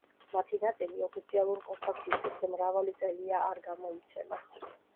მათი ნაწილი ოფიციალურ კომპაქტ-დისკებზე მრავალი წელია არ გამოიცემა.